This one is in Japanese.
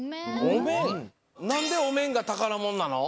なんでおめんがたからものなの？